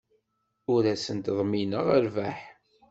Ur asent-ḍmineɣ rrbeḥ.